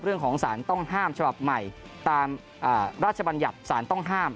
เรื่องของสารต้องห้ามฉบับใหม่ตามพระราชบัญญัติศาลต้องห้าม